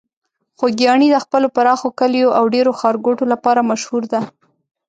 خوږیاڼي د خپلو پراخو کليو او ډیرو ښارګوټو لپاره مشهور ده.